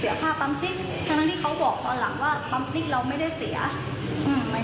เสียค่าปั๊มจิ๊กฉะนั้นที่เขาบอกตอนหลังว่าปั๊มจิ๊กเราไม่ได้เสียอืม